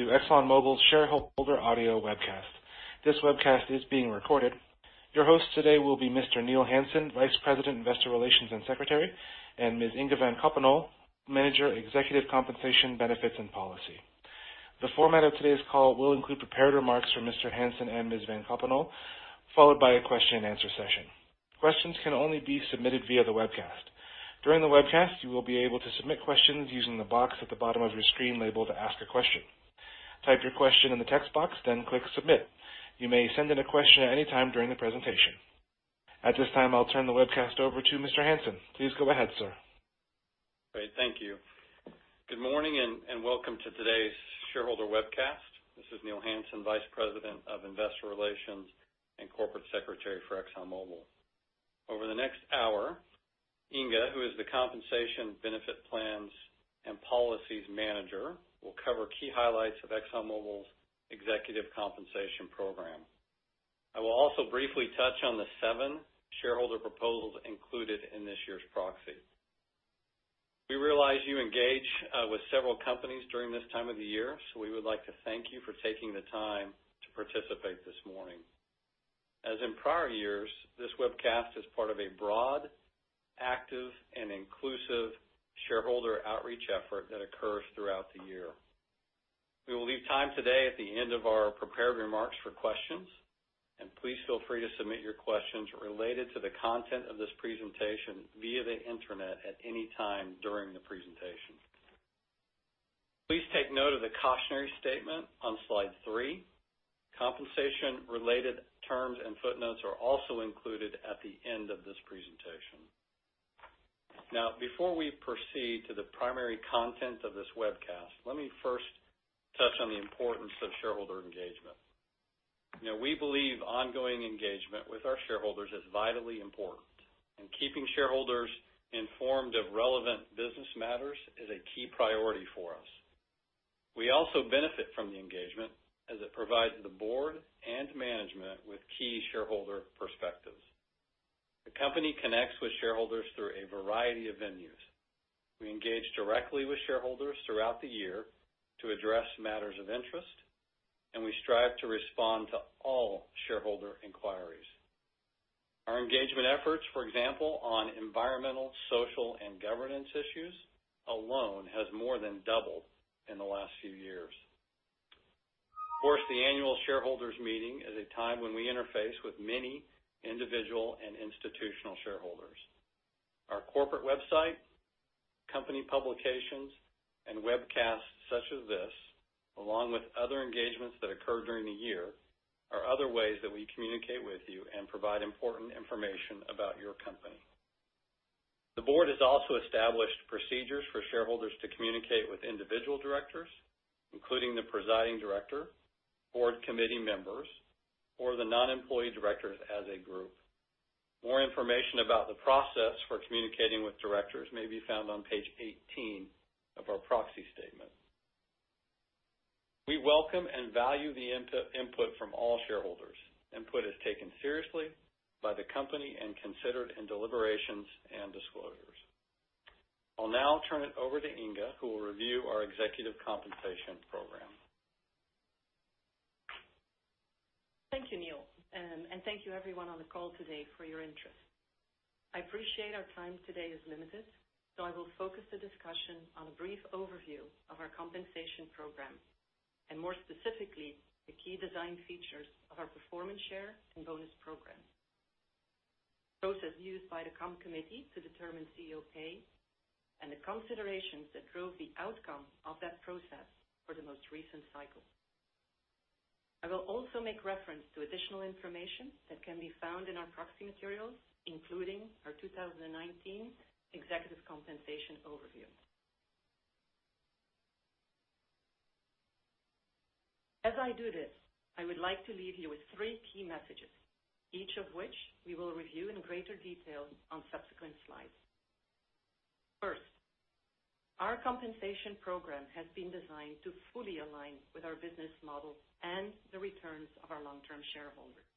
To ExxonMobil's shareholder audio webcast. This webcast is being recorded. Your hosts today will be Mr. Neil Hansen, Vice President, Investor Relations and Secretary, and Ms. Inge Van Coppenolle, Manager, Executive Compensation Benefits and Policy. The format of today's call will include prepared remarks from Mr. Hansen and Ms. Van Coppenolle, followed by a question and answer session. Questions can only be submitted via the webcast. During the webcast, you will be able to submit questions using the box at the bottom of your screen labeled Ask a Question. Type your question in the text box, then click Submit. You may send in a question at any time during the presentation. At this time, I'll turn the webcast over to Mr. Hansen. Please go ahead, sir. Great. Thank you. Good morning, and welcome to today's shareholder webcast. This is Neil Hansen, Vice President of Investor Relations and Corporate Secretary for ExxonMobil. Over the next hour, Inge, who is the Compensation Benefit Plans and Policies Manager, will cover key highlights of ExxonMobil's executive compensation program. I will also briefly touch on the seven shareholder proposals included in this year's proxy. We realize you engage with several companies during this time of year, so we would like to thank you for taking the time to participate this morning. As in prior years, this webcast is part of a broad, active, and inclusive shareholder outreach effort that occurs throughout the year. We will leave time today at the end of our prepared remarks for questions. Please feel free to submit your questions related to the content of this presentation via the Internet at any time during the presentation. Please take note of the cautionary statement on slide three. Compensation-related terms and footnotes are also included at the end of this presentation. Before we proceed to the primary content of this webcast, let me first touch on the importance of shareholder engagement. We believe ongoing engagement with our shareholders is vitally important, and keeping shareholders informed of relevant business matters is a key priority for us. We also benefit from the engagement as it provides the board and management with key shareholder perspectives. The company connects with shareholders through a variety of venues. We engage directly with shareholders throughout the year to address matters of interest, and we strive to respond to all shareholder inquiries. Our engagement efforts, for example, on environmental, social, and governance issues alone has more than doubled in the last few years. The annual shareholders meeting is a time when we interface with many individual and institutional shareholders. Our corporate website, company publications, and webcasts such as this, along with other engagements that occur during the year, are other ways that we communicate with you and provide important information about your company. The board has also established procedures for shareholders to communicate with individual directors, including the presiding director, board committee members, or the non-employee directors as a group. More information about the process for communicating with directors may be found on page 18 of our proxy statement. We welcome and value the input from all shareholders. Input is taken seriously by the company and considered in deliberations and disclosures. I'll now turn it over to Inge, who will review our executive compensation program. Thank you, Neil, and thank you everyone on the call today for your interest. I appreciate our time today is limited, so I will focus the discussion on a brief overview of our compensation program, and more specifically, the key design features of our performance share and bonus programs, the process used by the Compensation Committee to determine CEO pay, and the considerations that drove the outcome of that process for the most recent cycle. I will also make reference to additional information that can be found in our proxy materials, including our 2019 Executive Compensation Overview. As I do this, I would like to leave you with three key messages, each of which we will review in greater detail on subsequent slides. First, our compensation program has been designed to fully align with our business model and the returns of our long-term shareholders.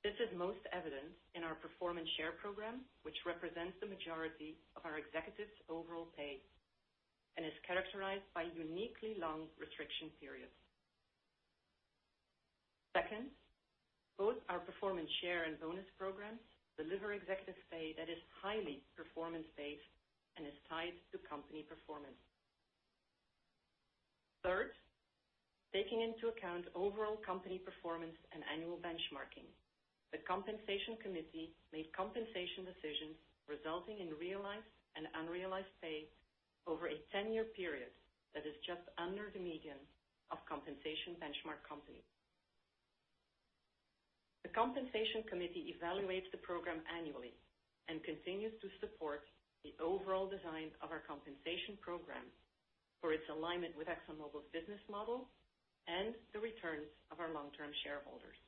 This is most evident in our performance share program, which represents the majority of our executives' overall pay and is characterized by uniquely long restriction periods. Second, both our performance share and bonus programs deliver executive pay that is highly performance-based and is tied to company performance. Third, taking into account overall company performance and annual benchmarking, the Compensation Committee made compensation decisions resulting in realized and unrealized pay over a 10-year period that is just under the median of compensation benchmark companies. The Compensation Committee evaluates the program annually and continues to support the overall design of our compensation program for its alignment with ExxonMobil's business model and the returns of our long-term shareholders.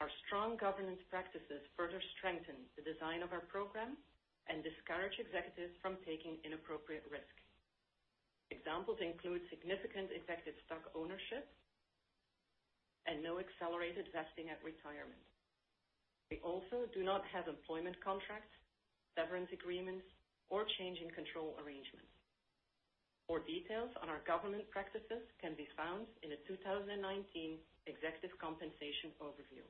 Our strong governance practices further strengthen the design of our programs and discourage executives from taking inappropriate risks. Examples include significant executive stock ownership. No accelerated vesting at retirement. We also do not have employment contracts, severance agreements, or change-in-control arrangements. More details on our governance practices can be found in the 2019 Executive Compensation Overview.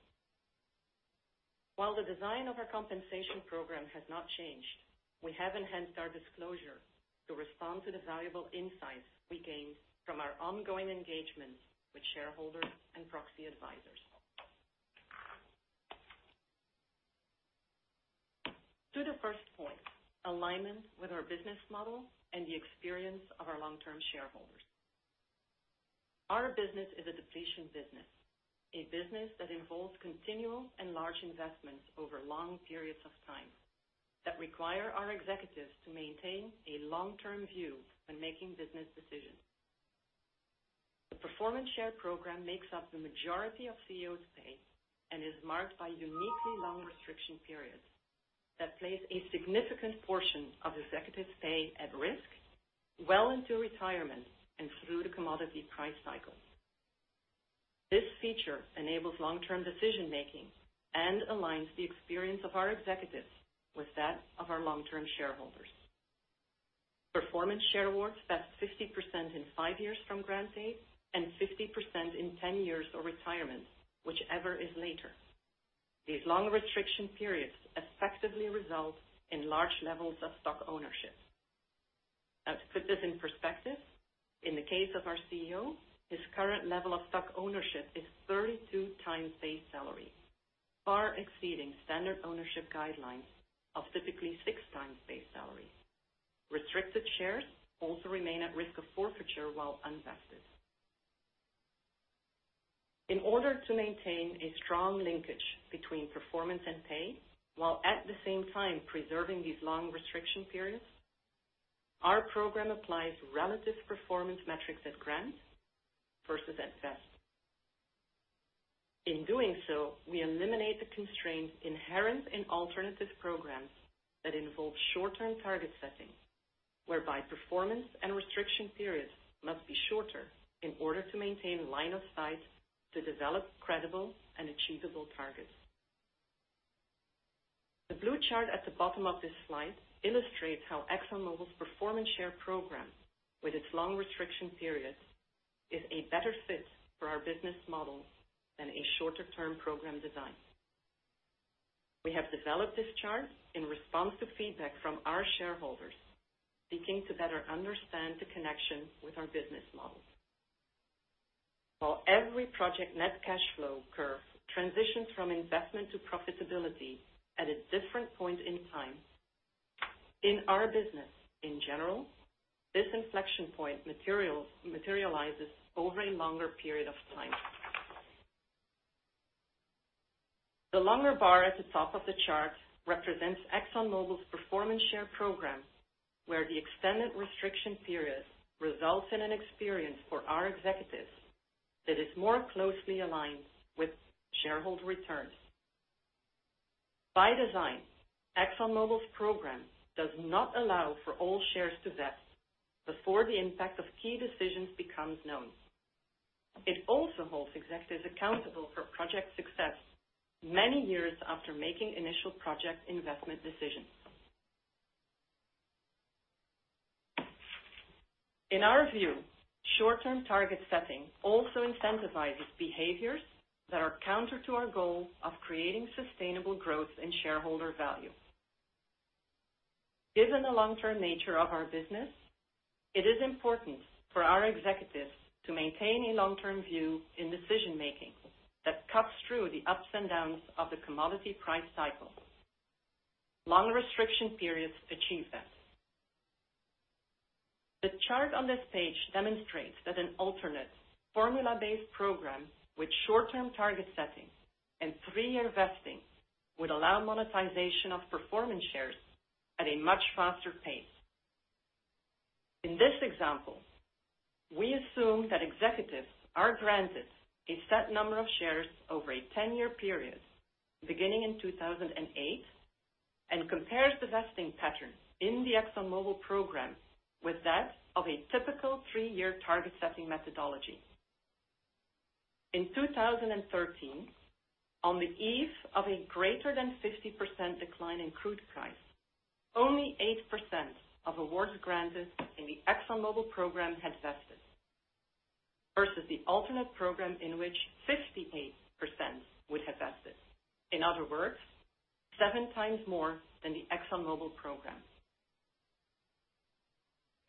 While the design of our compensation program has not changed, we have enhanced our disclosure to respond to the valuable insights we gained from our ongoing engagements with shareholders and proxy advisors. To the first point, alignment with our business model and the experience of our long-term shareholders. Our business is a depletion business, a business that involves continual and large investments over long periods of time that require our executives to maintain a long-term view when making business decisions. The performance share program makes up the majority of CEO pay and is marked by uniquely long restriction periods that place a significant portion of executives' pay at risk well into retirement and through the commodity price cycle. This feature enables long-term decision-making and aligns the experience of our executives with that of our long-term shareholders. Performance share awards vest 50% in five years from grant date and 50% in 10 years of retirement, whichever is later. These long restriction periods effectively result in large levels of stock ownership. Now, to put this in perspective, in the case of our CEO, his current level of stock ownership is 32 times base salary, far exceeding standard ownership guidelines of typically six times base salary. Restricted shares also remain at risk of forfeiture while unvested. In order to maintain a strong linkage between performance and pay, while at the same time preserving these long restriction periods, our program applies relative performance metrics at grant versus at vest. In doing so, we eliminate the constraints inherent in alternative programs that involve short-term target setting, whereby performance and restriction periods must be shorter in order to maintain line of sight to develop credible and achievable targets. The blue chart at the bottom of this slide illustrates how ExxonMobil's performance share program, with its long restriction periods, is a better fit for our business model than a shorter-term program design. We have developed this chart in response to feedback from our shareholders seeking to better understand the connection with our business model. While every project net cash flow curve transitions from investment to profitability at a different point in time, in our business, in general, this inflection point materializes over a longer period of time. The longer bar at the top of the chart represents ExxonMobil's performance share program, where the extended restriction period results in an experience for our executives that is more closely aligned with shareholder returns. By design, ExxonMobil's program does not allow for all shares to vest before the impact of key decisions becomes known. It also holds executives accountable for project success many years after making initial project investment decisions. In our view, short-term target setting also incentivizes behaviors that are counter to our goal of creating sustainable growth and shareholder value. Given the long-term nature of our business, it is important for our executives to maintain a long-term view in decision-making that cuts through the ups and downs of the commodity price cycle. Long restriction periods achieve this. The chart on this page demonstrates that an alternate formula-based program with short-term target setting and three-year vesting would allow monetization of performance shares at a much faster pace. In this example, we assume that executives are granted a set number of shares over a 10-year period beginning in 2008 and compares the vesting pattern in the ExxonMobil program with that of a typical three-year target-setting methodology. In 2013, on the eve of a greater than 50% decline in crude price, only 8% of awards granted in the ExxonMobil program had vested, versus the alternate program in which 58% would have vested. In other words, seven times more than the ExxonMobil program.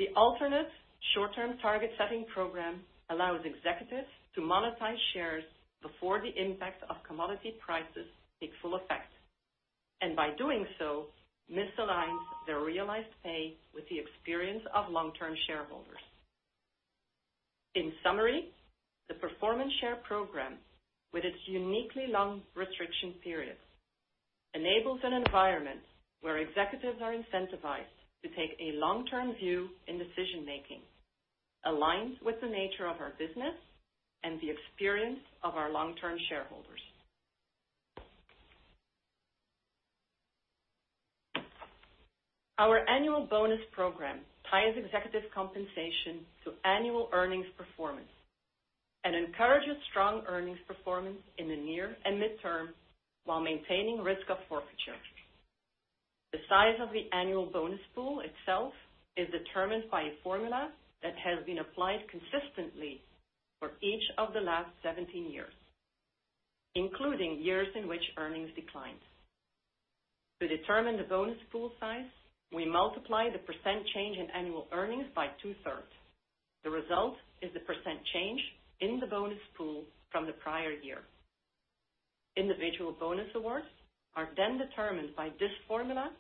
The alternate short-term target-setting program allows executives to monetize shares before the impact of commodity prices take full effect, and by doing so, misaligns their realized pay with the experience of long-term shareholders. In summary, the performance share program, with its uniquely long restriction periods, enables an environment where executives are incentivized to take a long-term view in decision-making, aligns with the nature of our business, and the experience of our long-term shareholders. Our annual bonus program ties executive compensation to annual earnings performance and encourages strong earnings performance in the near and midterm while maintaining risk of forfeiture. The size of the annual bonus pool itself is determined by a formula that has been applied consistently for each of the last 17 years, including years in which earnings declined. To determine the bonus pool size, we multiply the percent change in annual earnings by two-thirds. The result is the percent change in the bonus pool from the prior year. Individual bonus awards are then determined by this formula,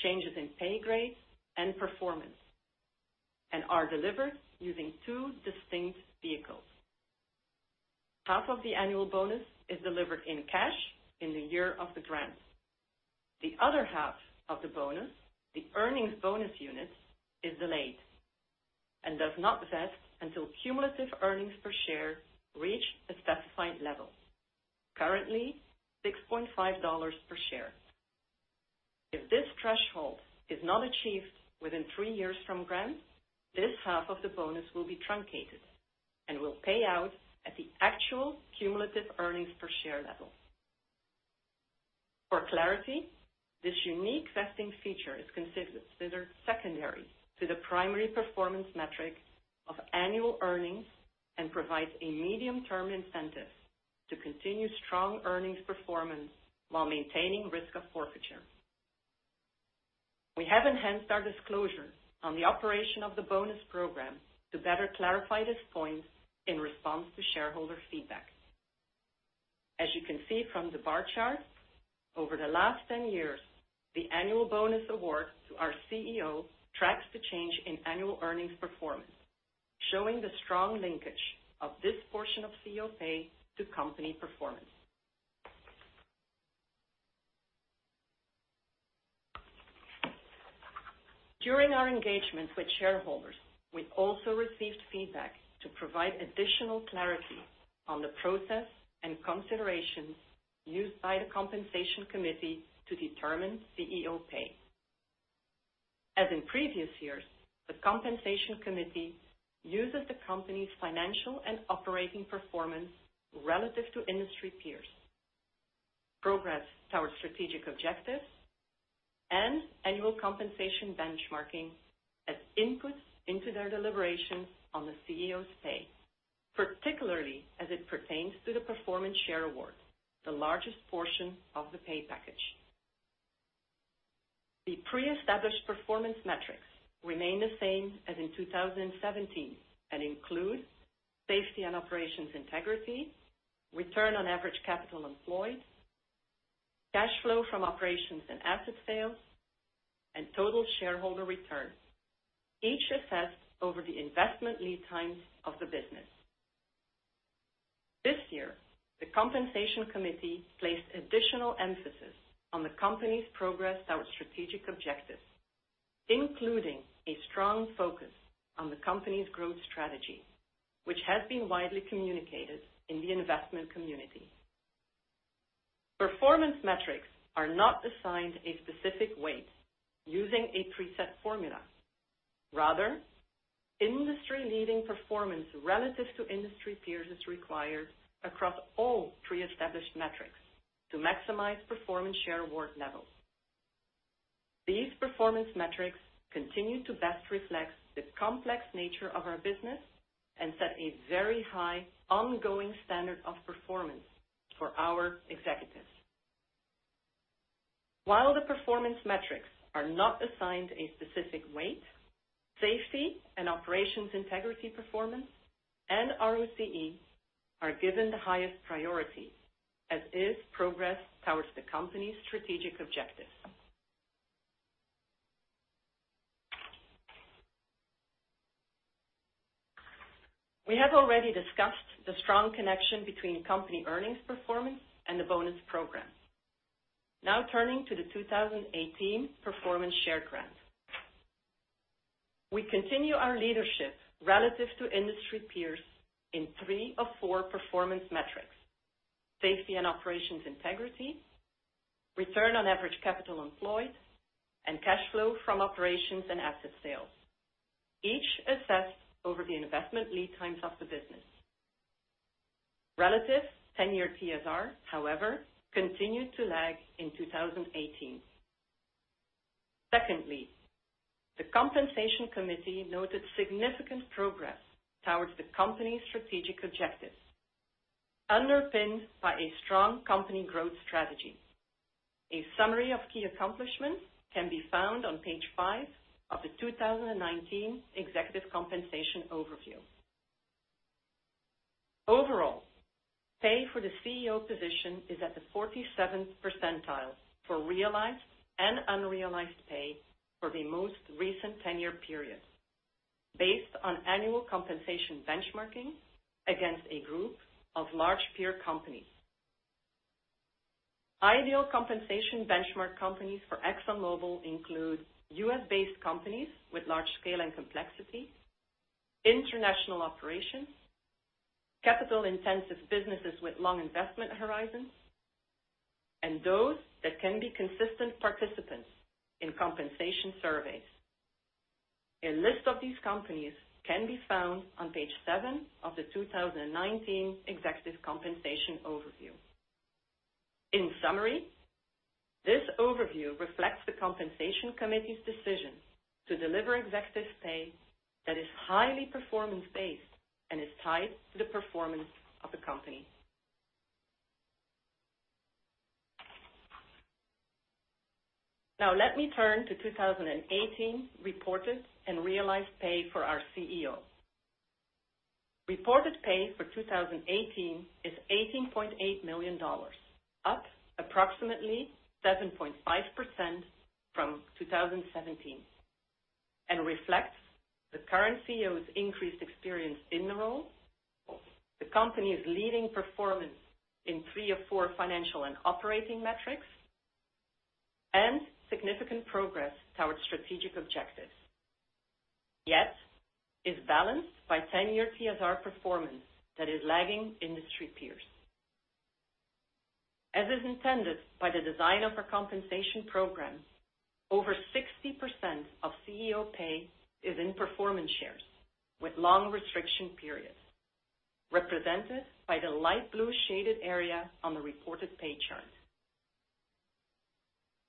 changes in pay grade, and performance, and are delivered using two distinct vehicles. Half of the annual bonus is delivered in cash in the year of the grant. The other half of the bonus, the earnings bonus unit, is delayed and does not vest until cumulative earnings per share reach a specified level, currently $6.50 per share. If this threshold is not achieved within three years from grant, this half of the bonus will be truncated and will pay out at the actual cumulative earnings per share level. For clarity, this unique vesting feature is considered secondary to the primary performance metric of annual earnings and provides a medium-term incentive to continue strong earnings performance while maintaining risk of forfeiture. We have enhanced our disclosure on the operation of the bonus program to better clarify these points in response to shareholder feedback. As you can see from the bar chart, over the last 10 years, the annual bonus award to our CEO tracks the change in annual earnings performance, showing the strong linkage of this portion of CEO pay to company performance. During our engagement with shareholders, we also received feedback to provide additional clarity on the process and considerations used by the Compensation Committee to determine CEO pay. As in previous years, the Compensation Committee uses the company's financial and operating performance relative to industry peers, progress towards strategic objectives, and annual compensation benchmarking as inputs into their deliberations on the CEO's pay, particularly as it pertains to the performance share award, the largest portion of the pay package. The pre-established performance metrics remain the same as in 2017 and include safety and Operations Integrity, return on average capital employed, cash flow from operations and asset sales, and total shareholder return, each assessed over the investment lead times of the business. This year, the Compensation Committee placed additional emphasis on the company's progress towards strategic objectives, including a strong focus on the company's growth strategy, which has been widely communicated in the investment community. Performance metrics are not assigned a specific weight using a preset formula. Rather, industry-leading performance relative to industry peers is required across all pre-established metrics to maximize performance share award levels. These performance metrics continue to best reflect the complex nature of our business and set a very high ongoing standard of performance for our executives. While the performance metrics are not assigned a specific weight, safety and Operations Integrity performance and ROCE are given the highest priority, as is progress towards the company's strategic objectives. We have already discussed the strong connection between company earnings performance and the bonus program. Now turning to the 2018 performance share grant. We continue our leadership relative to industry peers in three of four performance metrics: safety and Operations Integrity, return on average capital employed, and cash flow from operations and asset sales. Each assessed over the investment lead times of the business. Relative 10-year TSR, however, continued to lag in 2018. Secondly, the Compensation Committee noted significant progress towards the company's strategic objectives, underpinned by a strong company growth strategy. A summary of key accomplishments can be found on page five of the 2019 Executive Compensation Overview. Overall, pay for the CEO position is at the 47th percentile for realized and unrealized pay for the most recent tenure period, based on annual compensation benchmarking against a group of large peer companies. Ideal compensation benchmark companies for ExxonMobil include U.S.-based companies with large scale and complexity, international operations, Capital-intensive businesses with long investment horizons, and those that can be consistent participants in compensation surveys. A list of these companies can be found on page seven of the 2019 Executive Compensation Overview. In summary, this overview reflects the Compensation Committee's decision to deliver executive pay that is highly performance-based and is tied to the performance of the company. Now let me turn to 2018 reported and realized pay for our CEO. Reported pay for 2018 is $18.8 million, up approximately 7.5% from 2017, and reflects the current CEO's increased experience in the role, the company's leading performance in three of four financial and operating metrics, and significant progress toward strategic objectives. Is balanced by 10-year TSR performance that is lagging industry peers. As is intended by the design of our compensation program, over 60% of CEO pay is in performance shares with long restriction periods, represented by the light blue shaded area on the reported pay chart.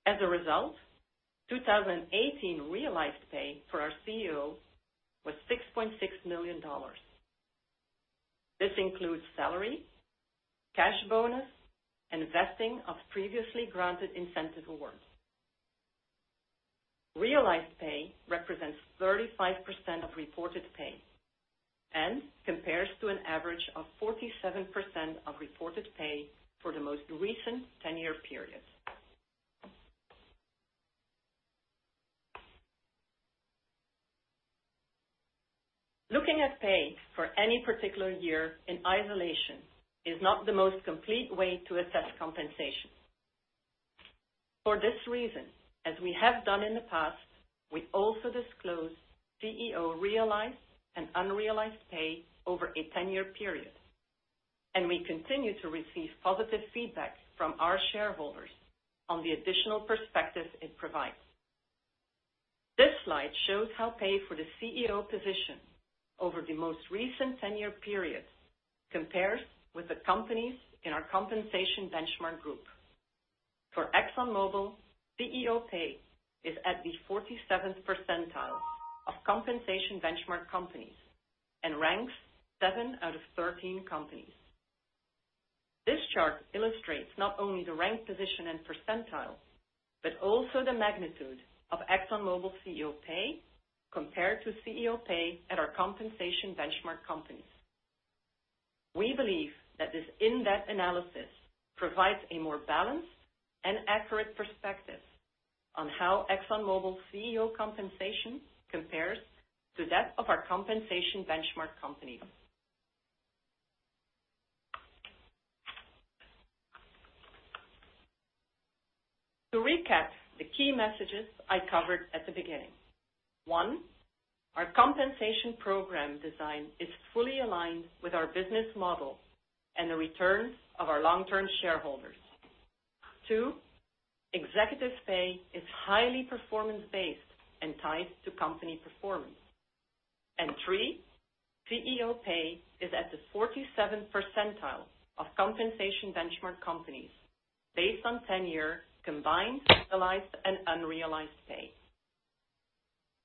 As a result, 2018 realized pay for our CEO was $6.6 million. This includes salary, cash bonus, and vesting of previously granted incentive awards. Realized pay represents 35% of reported pay and compares to an average of 47% of reported pay for the most recent 10-year period. Looking at pay for any particular year in isolation is not the most complete way to assess compensation. For this reason, as we have done in the past, we also disclose CEO realized and unrealized pay over a 10-year period, and we continue to receive positive feedback from our shareholders on the additional perspective it provides. This slide shows how pay for the CEO position over the most recent 10-year period compares with the companies in our compensation benchmark group. For ExxonMobil, CEO pay is at the 47th percentile of compensation benchmark companies and ranks seven out of 13 companies. This chart illustrates not only the rank position and percentile, but also the magnitude of ExxonMobil CEO pay compared to CEO pay at our compensation benchmark companies. We believe that this in-depth analysis provides a more balanced and accurate perspective on how ExxonMobil CEO compensation compares to that of our compensation benchmark companies. To recap the key messages I covered at the beginning. One, our compensation program design is fully aligned with our business model and the returns of our long-term shareholders. Two, executive pay is highly performance-based and tied to company performance. Three, CEO pay is at the 47th percentile of compensation benchmark companies based on 10-year combined realized and unrealized pay.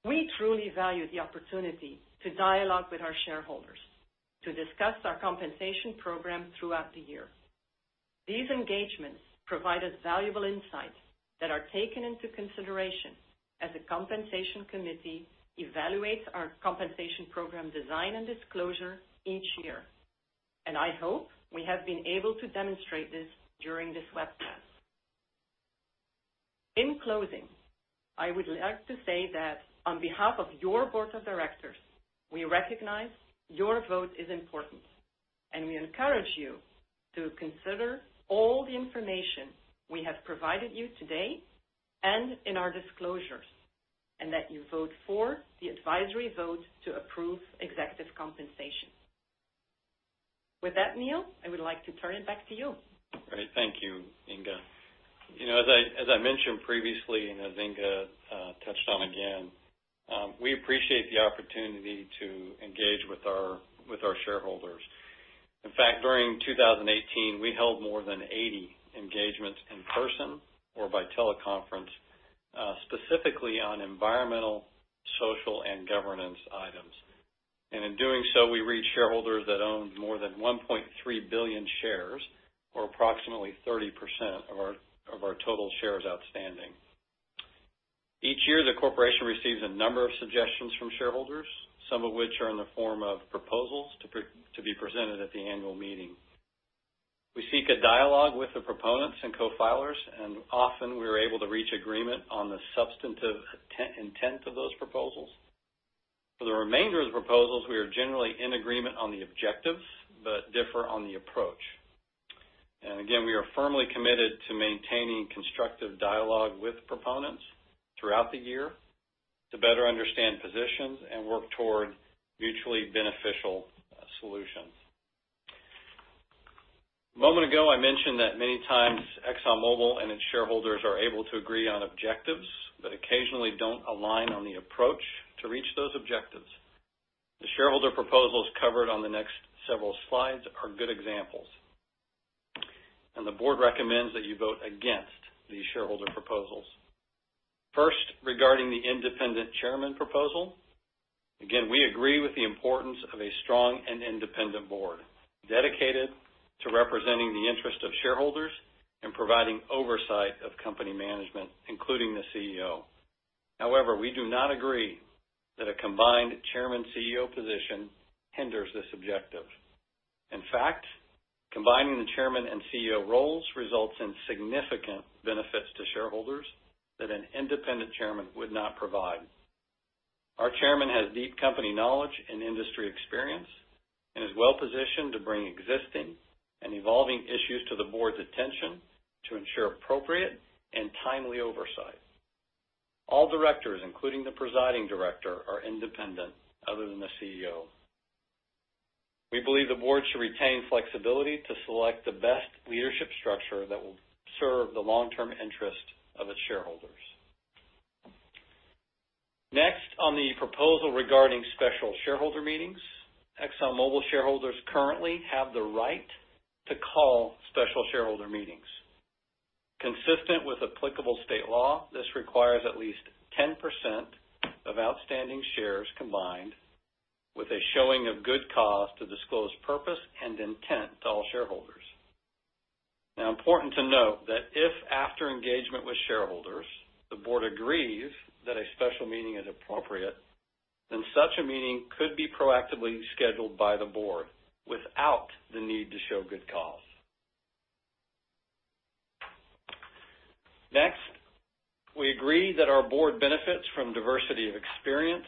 We truly value the opportunity to dialogue with our shareholders to discuss our compensation program throughout the year. These engagements provide us valuable insights that are taken into consideration as the Compensation Committee evaluates our compensation program design and disclosure each year, and I hope we have been able to demonstrate this during this webcast. In closing, I would like to say that on behalf of your board of directors, we recognize your vote is important, and we encourage you to consider all the information we have provided you today and in our disclosures, and that you vote for the advisory vote to approve executive compensation. With that, Neil, I would like to turn it back to you. Great. Thank you, Inge. As I mentioned previously and as Inge touched on again, we appreciate the opportunity to engage with our shareholders. In fact, during 2018, we held more than 80 engagements in person or by teleconference, specifically on environmental, social, and governance items. In doing so, we reached shareholders that owned more than 1.3 billion shares or approximately 30% of our total shares outstanding. Each year, the Corporation receives a number of suggestions from shareholders, some of which are in the form of proposals to be presented at the annual meeting. We seek a dialogue with the proponents and co-filers, often we are able to reach agreement on the substantive intent of those proposals. For the remainder of the proposals, we are generally in agreement on the objectives but differ on the approach. Again, we are firmly committed to maintaining constructive dialogue with proponents throughout the year to better understand positions and work toward mutually beneficial solutions. A moment ago, I mentioned that many times ExxonMobil and its shareholders are able to agree on objectives, but occasionally don't align on the approach to reach those objectives. The shareholder proposals covered on the next several slides are good examples. The Board recommends that you vote against these shareholder proposals. First, regarding the independent chairman proposal, again, we agree with the importance of a strong and independent Board dedicated to representing the interest of shareholders and providing oversight of company management, including the CEO. However, we do not agree that a combined chairman-CEO position hinders this objective. In fact, combining the chairman and CEO roles results in significant benefits to shareholders that an independent chairman would not provide. Our chairman has deep company knowledge and industry experience and is well-positioned to bring existing and evolving issues to the Board's attention to ensure appropriate and timely oversight. All directors, including the presiding director, are independent other than the CEO. We believe the Board should retain flexibility to select the best leadership structure that will serve the long-term interest of its shareholders. Next, on the proposal regarding special shareholder meetings, ExxonMobil shareholders currently have the right to call special shareholder meetings. Consistent with applicable state law, this requires at least 10% of outstanding shares combined with a showing of good cause to disclose purpose and intent to all shareholders. Important to note that if after engagement with shareholders, the board agrees that a special meeting is appropriate, such a meeting could be proactively scheduled by the board without the need to show good cause. We agree that our board benefits from diversity of experience,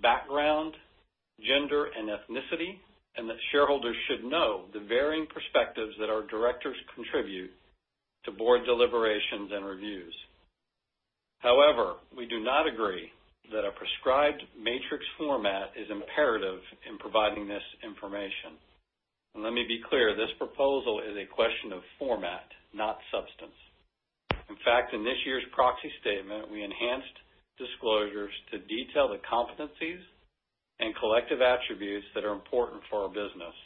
background, gender, and ethnicity, and that shareholders should know the varying perspectives that our directors contribute to board deliberations and reviews. However, we do not agree that a prescribed matrix format is imperative in providing this information. Let me be clear, this proposal is a question of format, not substance. In fact, in this year's proxy statement, we enhanced disclosures to detail the competencies and collective attributes that are important for our business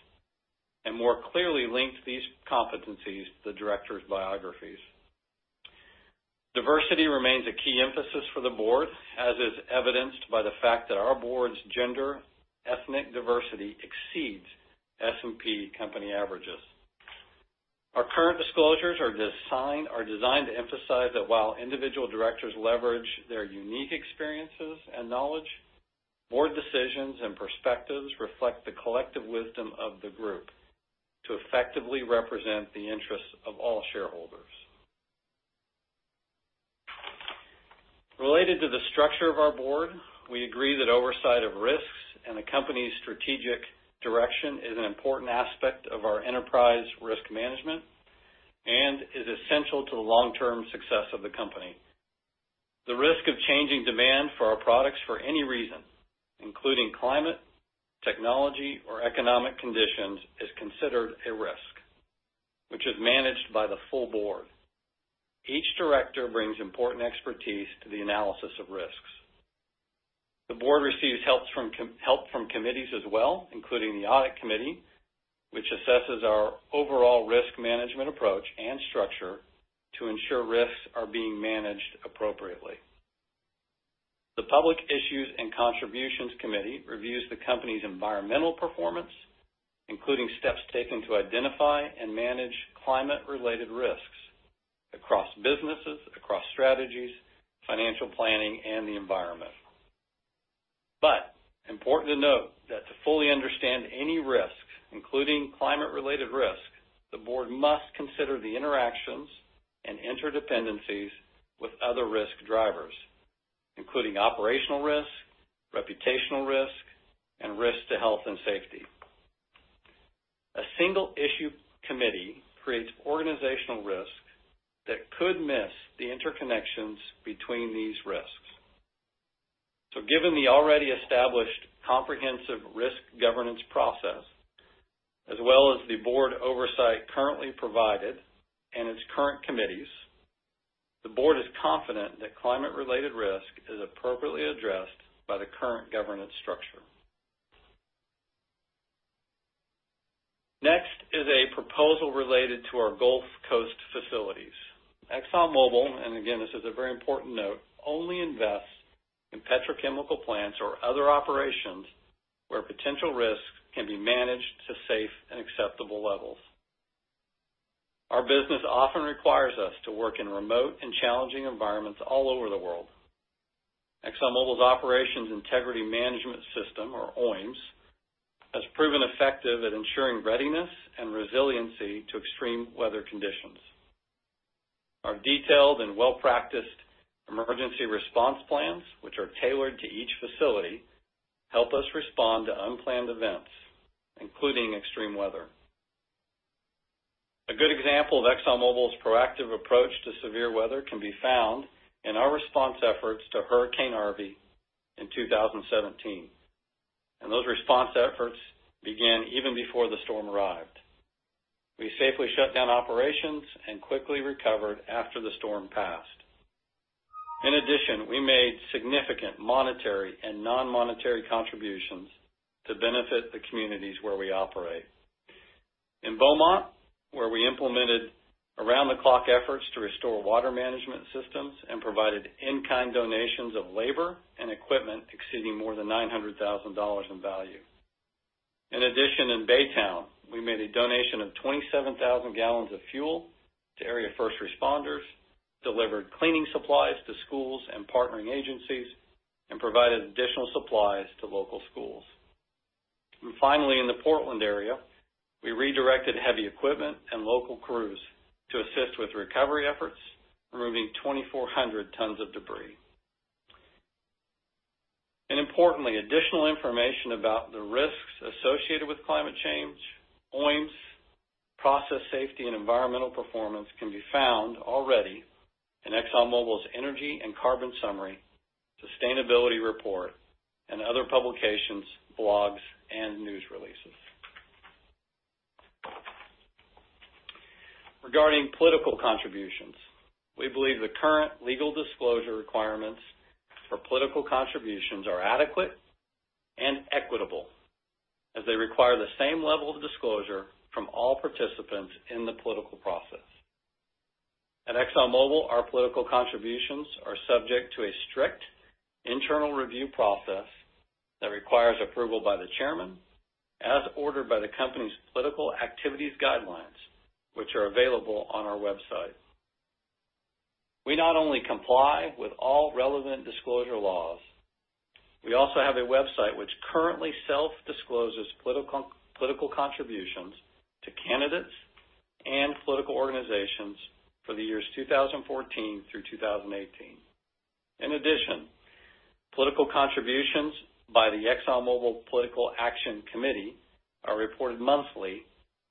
and more clearly linked these competencies to the directors' biographies. Diversity remains a key emphasis for the board, as is evidenced by the fact that our board's gender, ethnic diversity exceeds S&P company averages. Our current disclosures are designed to emphasize that while individual directors leverage their unique experiences and knowledge, board decisions and perspectives reflect the collective wisdom of the group to effectively represent the interests of all shareholders. Related to the structure of our board, we agree that oversight of risks and the company's strategic direction is an important aspect of our enterprise risk management and is essential to the long-term success of the company. The risk of changing demand for our products for any reason, including climate, technology, or economic conditions, is considered a risk, which is managed by the full board. Each director brings important expertise to the analysis of risks. The board receives help from committees as well, including the Audit Committee, which assesses our overall risk management approach and structure to ensure risks are being managed appropriately. The Public Issues and Contributions Committee reviews the company's environmental performance, including steps taken to identify and manage climate-related risks across businesses, across strategies, financial planning, and the environment. Important to note that to fully understand any risk, including climate-related risk, the board must consider the interactions and interdependencies with other risk drivers, including operational risk, reputational risk, and risk to health and safety. A single-issue committee creates organizational risk that could miss the interconnections between these risks. Given the already established comprehensive risk governance process, as well as the board oversight currently provided and its current committees, the board is confident that climate-related risk is appropriately addressed by the current governance structure. A proposal related to our Gulf Coast facilities. ExxonMobil, and again, this is a very important note, only invests in petrochemical plants or other operations where potential risks can be managed to safe and acceptable levels. Our business often requires us to work in remote and challenging environments all over the world. ExxonMobil's Operations Integrity Management System, or OIMS, has proven effective at ensuring readiness and resiliency to extreme weather conditions. Our detailed and well-practiced emergency response plans, which are tailored to each facility, help us respond to unplanned events, including extreme weather. A good example of ExxonMobil's proactive approach to severe weather can be found in our response efforts to Hurricane Harvey in 2017, those response efforts began even before the storm arrived. We safely shut down operations and quickly recovered after the storm passed. In addition, we made significant monetary and non-monetary contributions to benefit the communities where we operate. In Beaumont, where we implemented around-the-clock efforts to restore water management systems and provided in-kind donations of labor and equipment exceeding more than $900,000 in value. In addition, in Baytown, we made a donation of 27,000 gallons of fuel to area first responders, delivered cleaning supplies to schools and partnering agencies, and provided additional supplies to local schools. Finally, in the Port Arthur area, we redirected heavy equipment and local crews to assist with recovery efforts, removing 2,400 tons of debris. Importantly, additional information about the risks associated with climate change, OIMS, process safety, and environmental performance can be found already in ExxonMobil's Energy and Carbon Summary, Sustainability Report, and other publications, blogs, and news releases. Regarding political contributions, we believe the current legal disclosure requirements for political contributions are adequate and equitable, as they require the same level of disclosure from all participants in the political process. At ExxonMobil, our political contributions are subject to a strict internal review process that requires approval by the chairman as ordered by the company's political activities guidelines, which are available on our website. We not only comply with all relevant disclosure laws, we also have a website which currently self-discloses political contributions to candidates and political organizations for the years 2014 through 2018. In addition, political contributions by the ExxonMobil Political Action Committee are reported monthly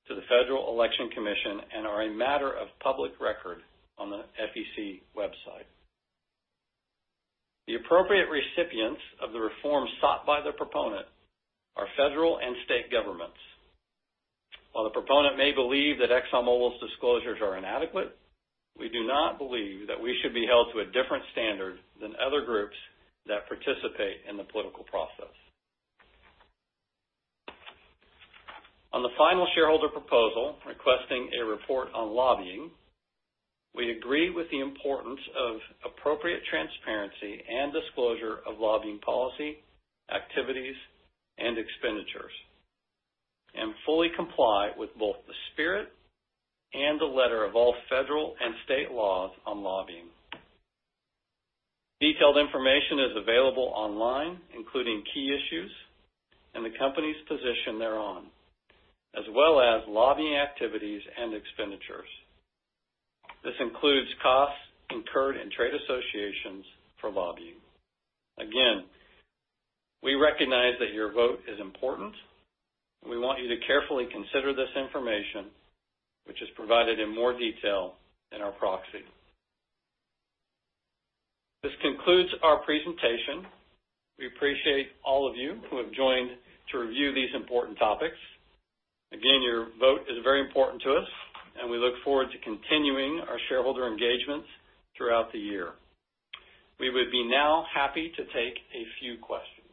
to the Federal Election Commission and are a matter of public record on the FEC website. The appropriate recipients of the reform sought by the proponent are federal and state governments. While the proponent may believe that ExxonMobil's disclosures are inadequate, we do not believe that we should be held to a different standard than other groups that participate in the political process. On the final shareholder proposal requesting a report on lobbying, we agree with the importance of appropriate transparency and disclosure of lobbying policy, activities, and expenditures, and fully comply with both the spirit and the letter of all federal and state laws on lobbying. Detailed information is available online, including key issues and the company's position thereon, as well as lobbying activities and expenditures. This includes costs incurred in trade associations for lobbying. We recognize that your vote is important, and we want you to carefully consider this information, which is provided in more detail in our proxy. This concludes our presentation. We appreciate all of you who have joined to review these important topics. Your vote is very important to us, and we look forward to continuing our shareholder engagement throughout the year. We would be now happy to take a few questions.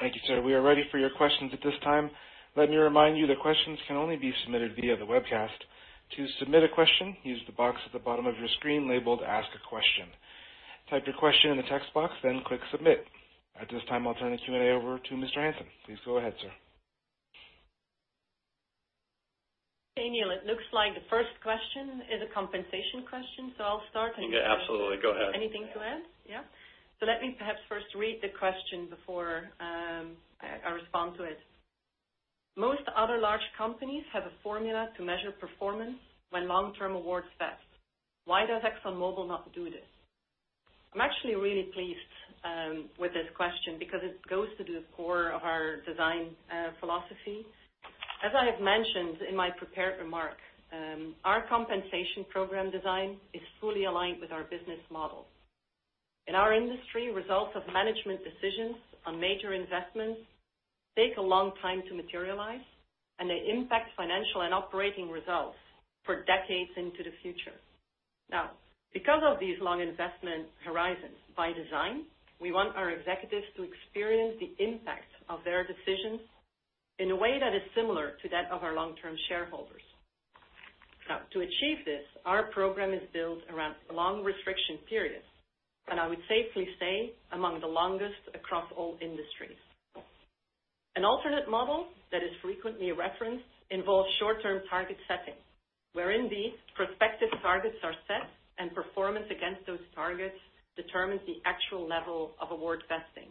Thank you, sir. We are ready for your questions at this time. Let me remind you that questions can only be submitted via the webcast. To submit a question, use the box at the bottom of your screen labeled Ask a Question. Type your question in the text box. Click Submit. At this time, I'll turn the Q&A over to Mr. Hansen. Please go ahead, sir. Daniel, it looks like the first question is a compensation question. I'll start. Yeah, absolutely. Go ahead. Anything to add. Yeah. Let me perhaps first read the question before I respond to it. Most other large companies have a formula to measure performance when long-term awards vest. Why does ExxonMobil not do this? I'm actually really pleased with this question because it goes to the core of our design philosophy. As I have mentioned in my prepared remarks, our compensation program design is fully aligned with our business model. In our industry, results of management decisions on major investments take a long time to materialize, and they impact financial and operating results for decades into the future. Because of these long investment horizons, by design, we want our executives to experience the impact of their decisions in a way that is similar to that of our long-term shareholders. To achieve this, our program is built around long restriction periods, and I would safely say among the longest across all industries. An alternate model that is frequently referenced involves short-term target setting, wherein these prospective targets are set and performance against those targets determines the actual level of award vesting.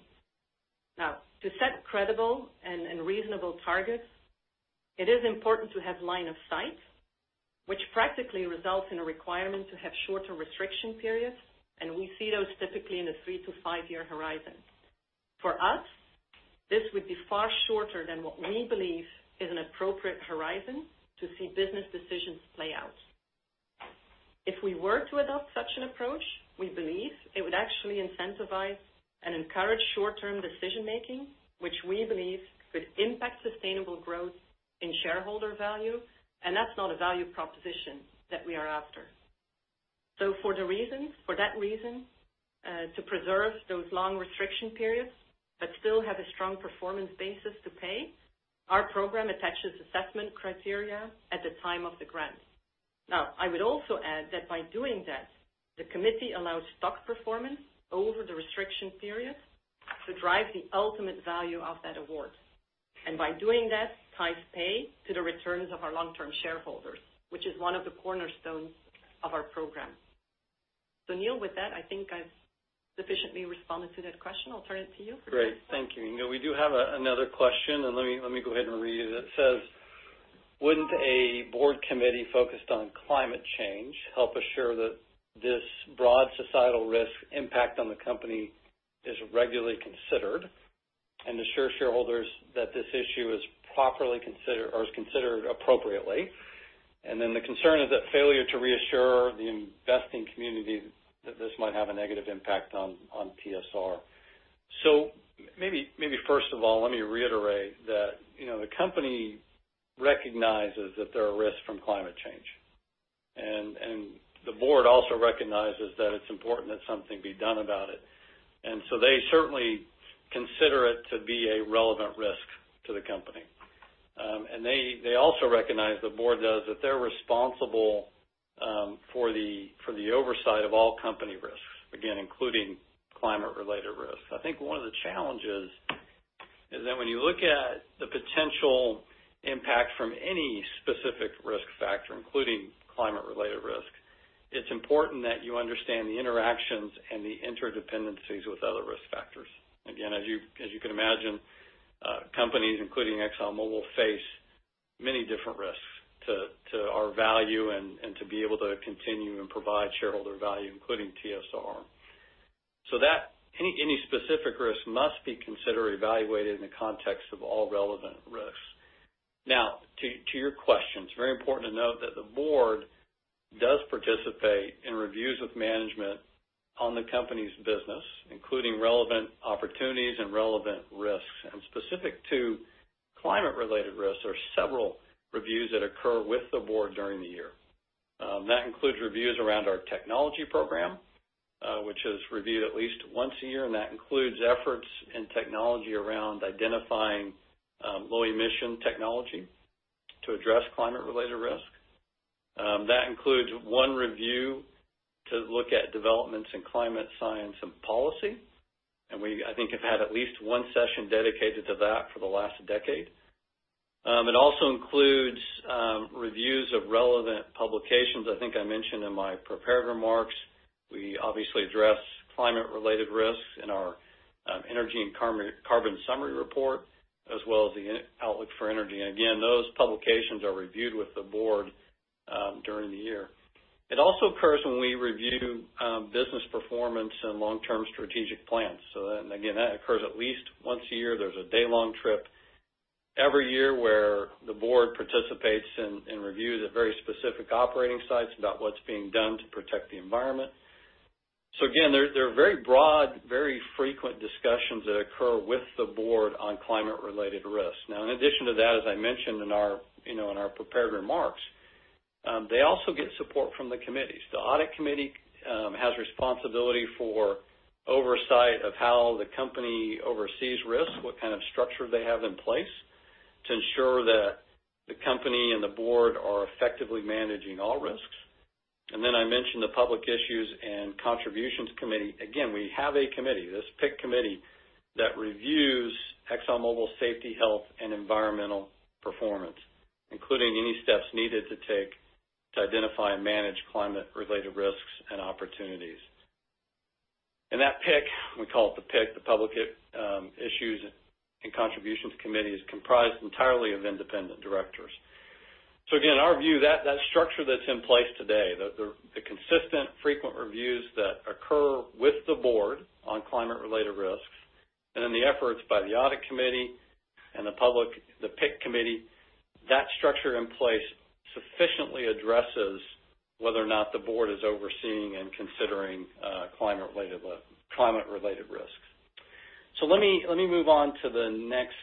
Now, to set credible and reasonable targets, it is important to have line of sight, which practically results in a requirement to have shorter restriction periods, and we see those typically in a 3-5 year horizon. For us, this would be far shorter than what we believe is an appropriate horizon to see business decisions play out. If we were to adopt such an approach, we believe it would actually incentivize and encourage short-term decision-making, which we believe could impact sustainable growth in shareholder value, and that is not a value proposition that we are after. For that reason, to preserve those long restriction periods but still have a strong performance basis to pay, our program attaches assessment criteria at the time of the grant. I would also add that by doing that, the committee allows stock performance over the restriction period to drive the ultimate value of that award, and by doing that, ties pay to the returns of our long-term shareholders, which is one of the cornerstones of our program. Neil, with that, I think I have sufficiently responded to that question. I will turn it to you. Great. Thank you, Inge. We do have another question, and let me go ahead and read it. It says, "Would not a board committee focused on climate change help assure that this broad societal risk impact on the company is regularly considered and assure shareholders that this issue is considered appropriately?" The concern is that failure to reassure the investing community that this might have a negative impact on TSR. Maybe first of all, let me reiterate that the company recognizes that there are risks from climate change, and the board also recognizes that it is important that something be done about it. They certainly consider it to be a relevant risk to the company. They also recognize, the board does, that they are responsible for the oversight of all company risks, again, including climate-related risks. I think one of the challenges is that when you look at the potential impact from any specific risk factor, including climate-related risk, it is important that you understand the interactions and the interdependencies with other risk factors. Again, as you can imagine, companies, including ExxonMobil, face many different risks to our value and to be able to continue and provide shareholder value, including TSR. Any specific risk must be considered evaluated in the context of all relevant risks. To your question, it is very important to note that the board does participate in reviews with management on the company's business, including relevant opportunities and relevant risks. Specific to climate-related risks, there are several reviews that occur with the board during the year. That includes reviews around our technology program, which is reviewed at least once a year, and that includes efforts in technology around identifying low-emission technology to address climate-related risk. That includes one review to look at developments in climate science and policy, and we, I think, have had at least one session dedicated to that for the last decade. It also includes reviews of relevant publications. I think I mentioned in my prepared remarks, we obviously address climate-related risks in our Energy and Carbon Summary report, as well as the Outlook for Energy. Again, those publications are reviewed with the board during the year. It also occurs when we review business performance and long-term strategic plans. Again, that occurs at least once a year. There's a day-long trip every year where the board participates and reviews at very specific operating sites about what's being done to protect the environment. Again, there are very broad, very frequent discussions that occur with the board on climate-related risks. In addition to that, as I mentioned in our prepared remarks, they also get support from the committees. The Audit Committee has responsibility for oversight of how the company oversees risks, what kind of structure they have in place to ensure that the company and the board are effectively managing all risks. Then I mentioned the Public Issues and Contributions Committee. Again, we have a committee, this PIC Committee, that reviews ExxonMobil's safety, health, and environmental performance, including any steps needed to take to identify and manage climate-related risks and opportunities. That PIC, we call it the PIC, the Public Issues and Contributions Committee, is comprised entirely of independent directors. Again, our view, that structure that's in place today, the consistent, frequent reviews that occur with the board on climate-related risks, then the efforts by the Audit Committee and the PIC Committee, that structure in place sufficiently addresses whether or not the board is overseeing and considering climate-related risks. Let me move on to the next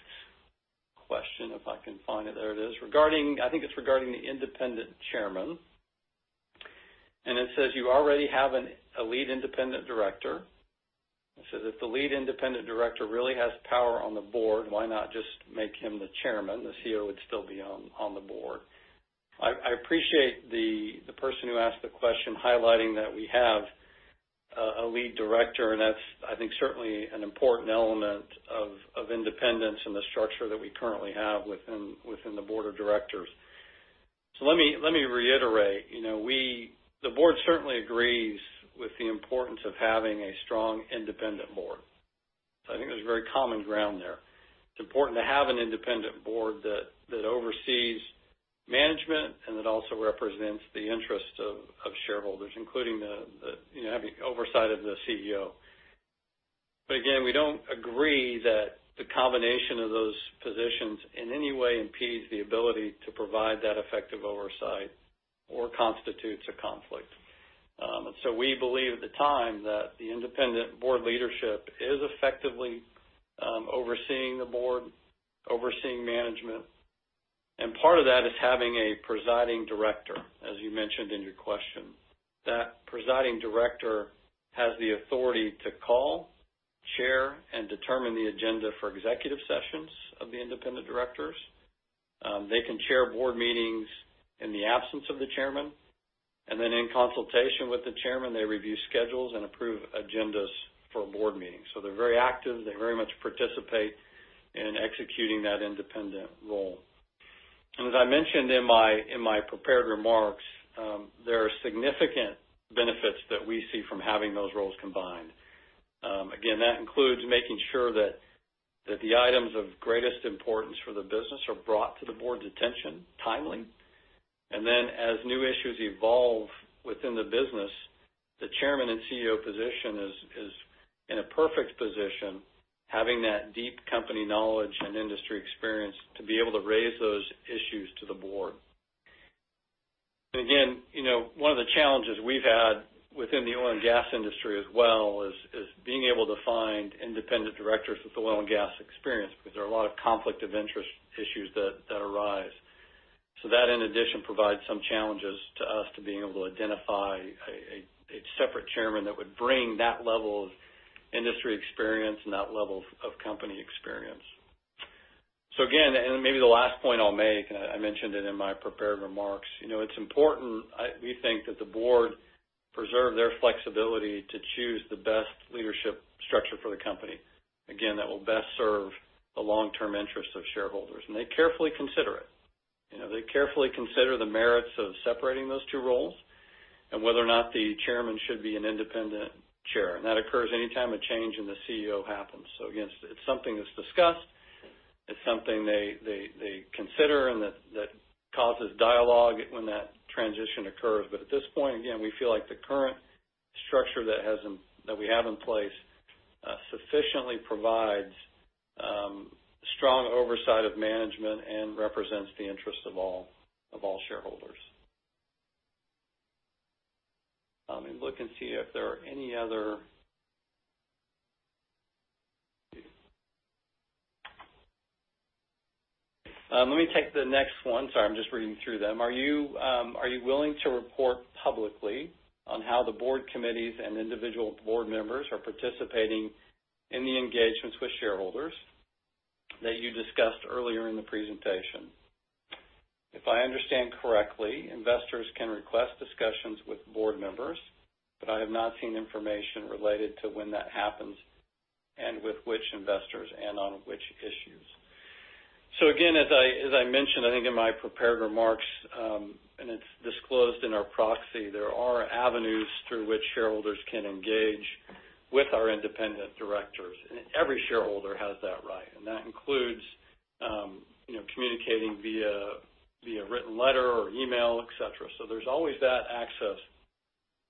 question, if I can find it. There it is. I think it's regarding the independent chairman, and it says, "You already have a lead independent director." It says, "If the lead independent director really has power on the board, why not just make him the chairman? The CEO would still be on the board." I appreciate the person who asked the question highlighting that we have a lead director, and that's, I think, certainly an important element of independence in the structure that we currently have within the board of directors. Let me reiterate. The board certainly agrees with the importance of having a strong independent board. I think there's very common ground there. It's important to have an independent board that oversees management and that also represents the interest of shareholders, including having oversight of the CEO. Again, we don't agree that the combination of those positions in any way impedes the ability to provide that effective oversight or constitutes a conflict. We believe at the time that the independent board leadership is effectively overseeing the board, overseeing management, and part of that is having a presiding director, as you mentioned in your question. That presiding director has the authority to call, chair, and determine the agenda for executive sessions of the independent directors. They can chair board meetings in the absence of the chairman, and then in consultation with the chairman, they review schedules and approve agendas for board meetings. They're very active. They very much participate in executing that independent role. As I mentioned in my prepared remarks, there are significant benefits that we see from having those roles combined. That includes making sure that the items of greatest importance for the business are brought to the board's attention timely. As new issues evolve within the business, the chairman and CEO position is in a perfect position, having that deep company knowledge and industry experience to be able to raise those issues to the board. One of the challenges we've had within the oil and gas industry as well is being able to find independent directors with oil and gas experience, because there are a lot of conflict of interest issues that arise. That, in addition, provides some challenges to us to being able to identify a separate chairman that would bring that level of industry experience and that level of company experience. Maybe the last point I'll make, and I mentioned it in my prepared remarks, it's important, we think, that the board preserve their flexibility to choose the best leadership structure for the company. That will best serve the long-term interests of shareholders. They carefully consider it. They carefully consider the merits of separating those two roles and whether or not the chairman should be an independent chair. That occurs anytime a change in the CEO happens. It's something that's discussed. It's something they consider and that causes dialogue when that transition occurs. At this point, again, we feel like the current structure that we have in place sufficiently provides strong oversight of management and represents the interest of all shareholders. Let me look and see if there are any other. Let me take the next one. Sorry, I'm just reading through them. Are you willing to report publicly on how the board committees and individual board members are participating in the engagements with shareholders that you discussed earlier in the presentation? If I understand correctly, investors can request discussions with board members, but I have not seen information related to when that happens and with which investors and on which issues. As I mentioned, I think in my prepared remarks, and it's disclosed in our proxy, there are avenues through which shareholders can engage with our independent directors. Every shareholder has that right, and that includes communicating via written letter or email, et cetera. There's always that access,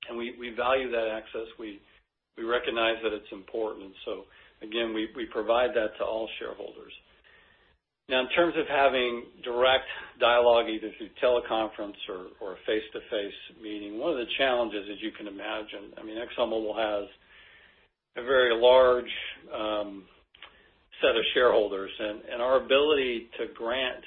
and we value that access. We recognize that it's important. We provide that to all shareholders. Now, in terms of having direct dialogue, either through teleconference or a face-to-face meeting, one of the challenges, as you can imagine ExxonMobil has a very large set of shareholders, and our ability to grant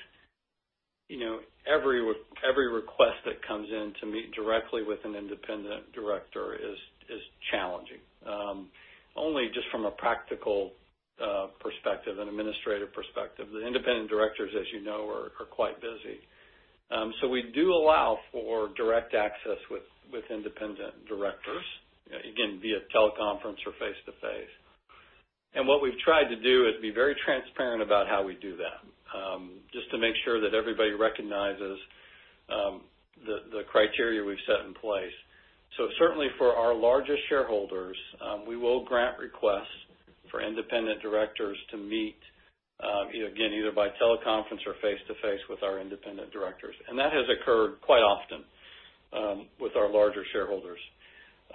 every request that comes in to meet directly with an independent director is challenging. Only just from a practical perspective and administrative perspective. The independent directors, as you know, are quite busy. We do allow for direct access with independent directors, again, via teleconference or face to face. What we've tried to do is be very transparent about how we do that, just to make sure that everybody recognizes the criteria we've set in place. Certainly for our largest shareholders, we will grant requests for independent directors to meet, again, either by teleconference or face to face with our independent directors. That has occurred quite often with our larger shareholders.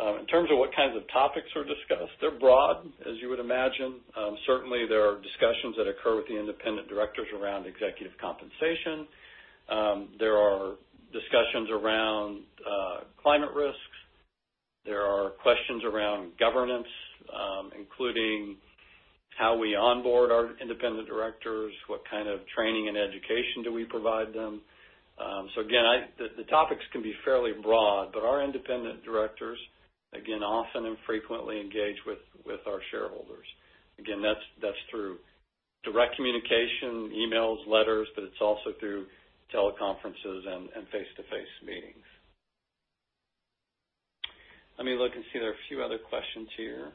In terms of what kinds of topics are discussed, they're broad, as you would imagine. Certainly, there are discussions that occur with the independent directors around executive compensation. There are discussions around climate risks. There are questions around governance, including how we onboard our independent directors, what kind of training and education do we provide them? Again, the topics can be fairly broad, but our independent directors, again, often and frequently engage with our shareholders. Again, that's through direct communication, emails, letters, but it's also through teleconferences and face-to-face meetings. Let me look and see. There are a few other questions here.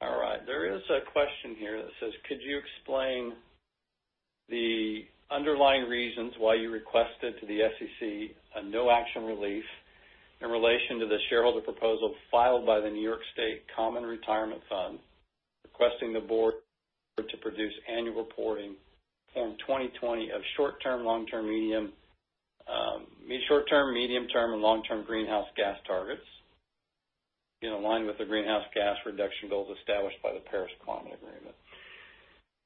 All right. There is a question here that says: Could you explain the underlying reasons why you requested to the SEC a no action relief in relation to the shareholder proposal filed by the New York State Common Retirement Fund, requesting the board to produce annual reporting form 2020 of short-term, medium-term, and long-term greenhouse gas targets in line with the greenhouse gas reduction goals established by the Paris Agreement?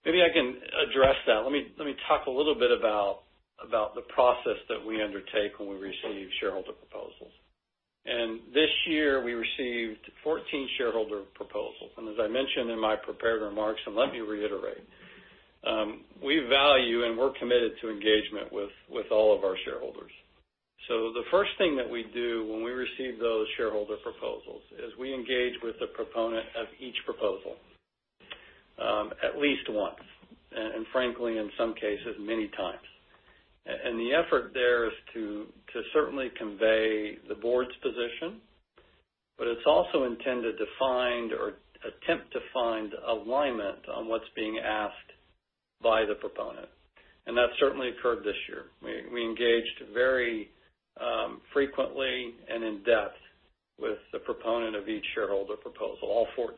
Maybe I can address that. Let me talk a little bit about the process that we undertake when we receive shareholder proposals. This year we received 14 shareholder proposals. As I mentioned in my prepared remarks, and let me reiterate, we value and we're committed to engagement with all of our shareholders. The first thing that we do when we receive those shareholder proposals is we engage with the proponent of each proposal, at least once, and frankly, in some cases, many times. The effort there is to certainly convey the board's position, but it's also intended to find or attempt to find alignment on what's being asked by the proponent. That certainly occurred this year. We engaged very frequently and in depth with the proponent of each shareholder proposal, all 14.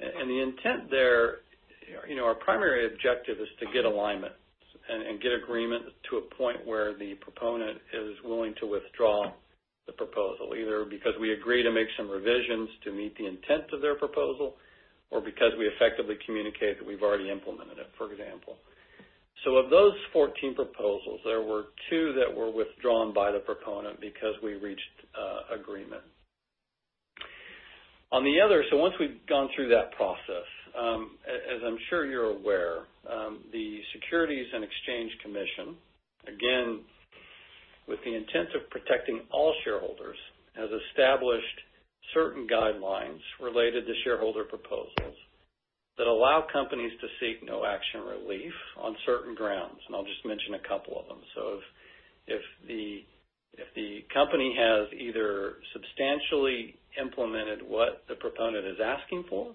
The intent there, our primary objective is to get alignment and get agreement to a point where the proponent is willing to withdraw the proposal, either because we agree to make some revisions to meet the intent of their proposal, or because we effectively communicate that we've already implemented it, for example. Of those 14 proposals, there were two that were withdrawn by the proponent because we reached agreement. Once we've gone through that process, as I'm sure you're aware, the Securities and Exchange Commission, again, with the intent of protecting all shareholders, has established certain guidelines related to shareholder proposals that allow companies to seek no action relief on certain grounds, and I'll just mention a couple of them. If the company has either substantially implemented what the proponent is asking for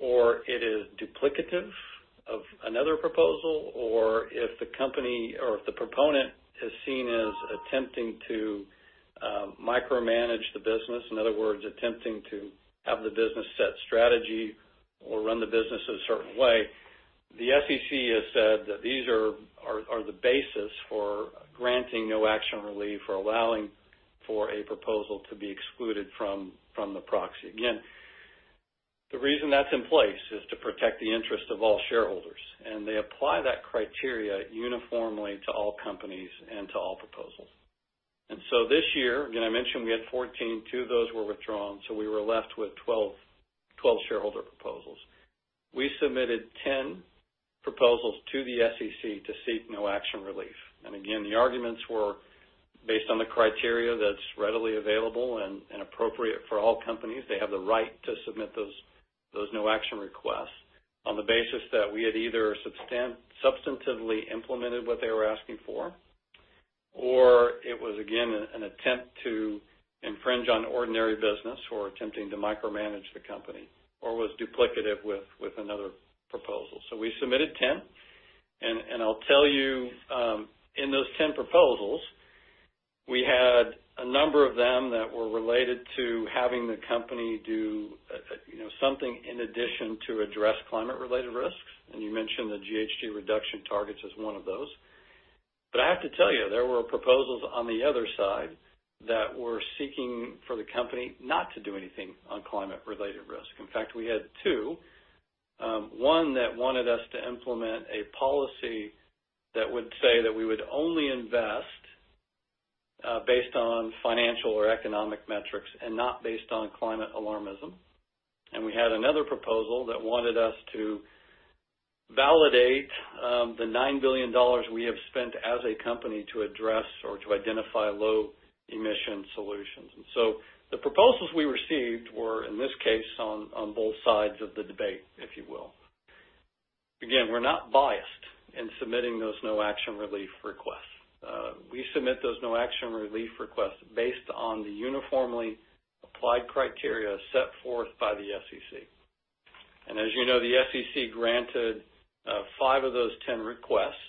or it is duplicative of another proposal, or if the proponent is seen as attempting to micromanage the business, in other words, attempting to have the business set strategy or run the business a certain way, the SEC has said that these are the basis for granting no action relief or allowing for a proposal to be excluded from the proxy. The reason that's in place is to protect the interest of all shareholders, and they apply that criteria uniformly to all companies and to all proposals. This year, again, I mentioned we had 14, two of those were withdrawn, so we were left with 12 shareholder proposals. We submitted 10 proposals to the SEC to seek no action relief. The arguments were based on the criteria that's readily available and appropriate for all companies. They have the right to submit those no action requests on the basis that we had either substantively implemented what they were asking for, or it was, again, an attempt to infringe on ordinary business or attempting to micromanage the company, or was duplicative with another proposal. We submitted 10, and I'll tell you, in those 10 proposals, we had a number of them that were related to having the company do something in addition to address climate-related risks. You mentioned the GHG reduction targets as one of those. I have to tell you, there were proposals on the other side that were seeking for the company not to do anything on climate-related risk. In fact, we had two. One that wanted us to implement a policy that would say that we would only invest based on financial or economic metrics and not based on climate alarmism. We had another proposal that wanted us to validate the $9 billion we have spent as a company to address or to identify low-emission solutions. The proposals we received were, in this case, on both sides of the debate, if you will. We're not biased in submitting those no action relief requests. We submit those no action relief requests based on the uniformly applied criteria set forth by the SEC. As you know, the SEC granted five of those 10 requests,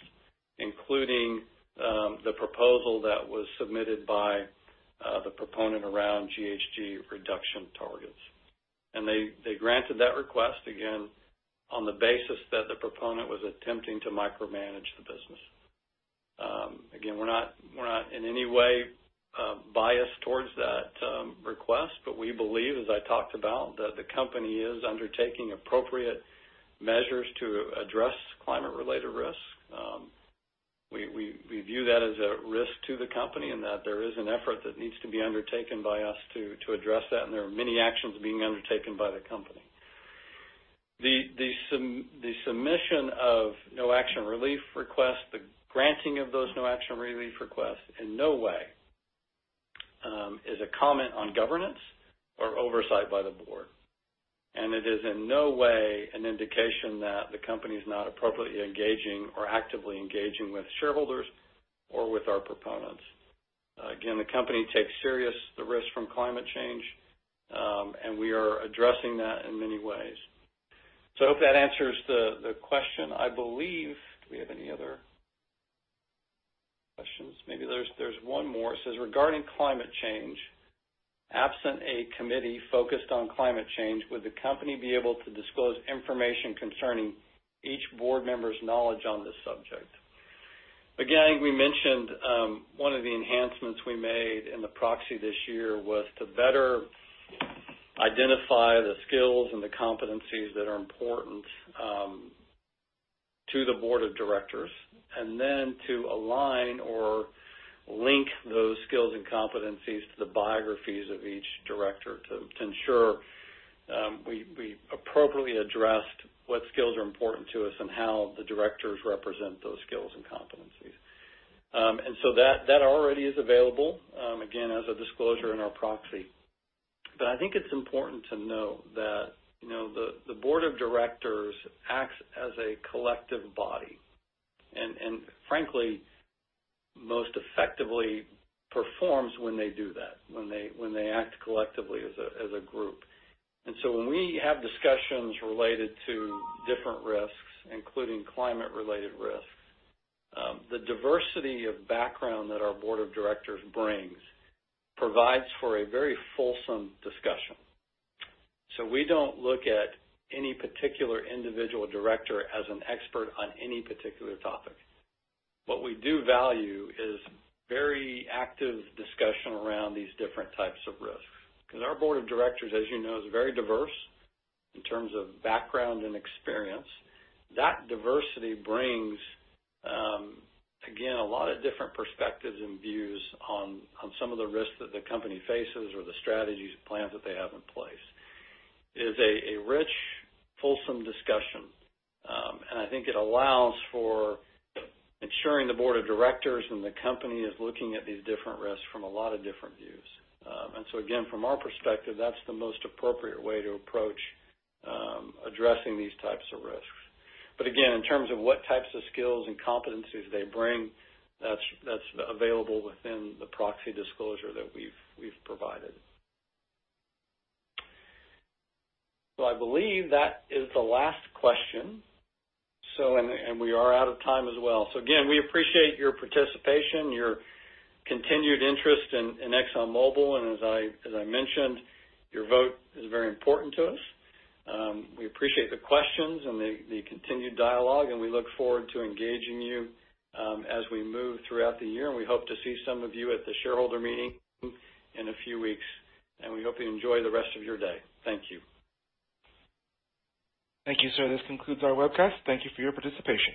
including the proposal that was submitted by the proponent around GHG reduction targets. They granted that request, again, on the basis that the proponent was attempting to micromanage the business. We're not in any way biased towards that request, we believe, as I talked about, that the company is undertaking appropriate measures to address climate-related risk. We view that as a risk to the company and that there is an effort that needs to be undertaken by us to address that, and there are many actions being undertaken by the company. The submission of no action relief requests, the granting of those no action relief requests, in no way is a comment on governance or oversight by the board. It is in no way an indication that the company is not appropriately engaging or actively engaging with shareholders or with our proponents. The company takes serious the risk from climate change, and we are addressing that in many ways. I hope that answers the question. I believe, do we have any other questions? Maybe there's one more. It says, "Regarding climate change, absent a committee focused on climate change, would the company be able to disclose information concerning each board member's knowledge on this subject?" We mentioned one of the enhancements we made in the proxy this year was to better identify the skills and the competencies that are important to the Board of Directors, and then to align or link those skills and competencies to the biographies of each director to ensure we appropriately addressed what skills are important to us and how the directors represent those skills and competencies. That already is available, again, as a disclosure in our proxy. I think it's important to note that the Board of Directors acts as a collective body, and frankly, most effectively performs when they do that, when they act collectively as a group. When we have discussions related to different risks, including climate-related risks, the diversity of background that our Board of Directors brings provides for a very fulsome discussion. We don't look at any particular individual director as an expert on any particular topic. What we do value is very active discussion around these different types of risks, because our Board of Directors, as you know, is very diverse in terms of background and experience. That diversity brings, again, a lot of different perspectives and views on some of the risks that the company faces or the strategies or plans that they have in place. It is a rich, fulsome discussion. I think it allows for ensuring the Board of Directors and the company is looking at these different risks from a lot of different views. Again, from our perspective, that's the most appropriate way to approach addressing these types of risks. Again, in terms of what types of skills and competencies they bring, that's available within the proxy disclosure that we've provided. I believe that is the last question. We are out of time as well. Again, we appreciate your participation, your continued interest in ExxonMobil, as I mentioned, your vote is very important to us. We appreciate the questions and the continued dialogue, we look forward to engaging you as we move throughout the year, we hope to see some of you at the shareholder meeting in a few weeks. We hope you enjoy the rest of your day. Thank you. Thank you, sir. This concludes our webcast. Thank you for your participation.